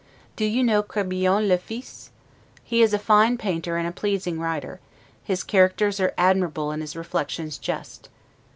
Do you know 'Crebillon le fils'? He is a fine painter and a pleasing writer; his characters are admirable and his reflections just.